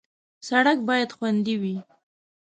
سړک باید خوندي وي.